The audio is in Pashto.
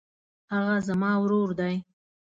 هغه زما ورور دی.